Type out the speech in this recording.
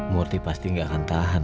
murti pasti gak akan tahan